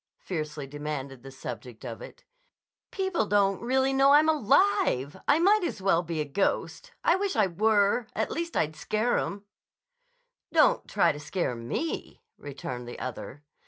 fiercely demanded the subject of it. "People don't really know I'm alive. I might as well be a ghost. I wish I were. At least I'd scare 'em." "Don't try to scare me," returned the other.